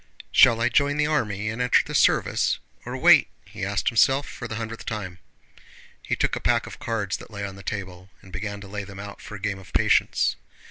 "Shall I join the army and enter the service, or wait?" he asked himself for the hundredth time. He took a pack of cards that lay on the table and began to lay them out for a game of patience.